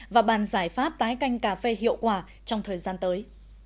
và bàn giải pháp tái canh cà phê hiệu quả trong thời gian tới